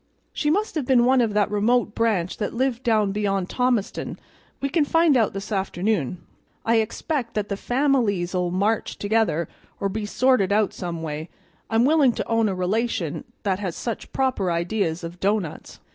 "She must have been one of that remote branch that lived down beyond Thomaston. We can find out this afternoon. I expect that the families'll march together, or be sorted out some way. I'm willing to own a relation that has such proper ideas of doughnuts."